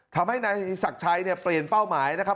ทำให้นายศักดิ์ชัยเนี่ยเปลี่ยนเป้าหมายนะครับ